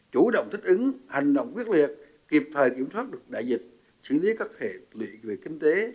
chủ động thích ứng hành động quyết liệt kịp thời kiểm soát được đại dịch xử lý các hệ lụy về kinh tế